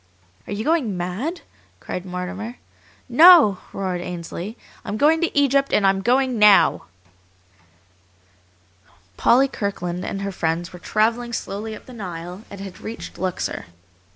"Are you going mad?" cried Mortimer. "No!" roared Ainsley. "I'm going to Egypt, and I'm going NOW!" Polly Kirkland and her friends were travelling slowly up the Nile, and had reached Luxor.